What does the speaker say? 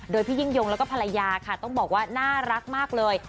โดยพี่ยิ่งยงแล้วก็ภรรยาค่ะต้องบอกว่าน่ารักมากเลย